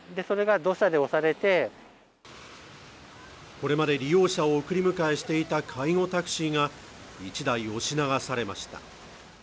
これまで利用者を送り迎えしていた介護タクシーが１台押し流されました